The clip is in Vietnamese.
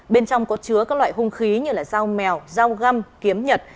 bên trong có chứa các loại hung khí như dao mèo rau găm kiếm nhật